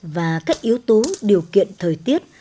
và các yếu tố điều kiện thời tiết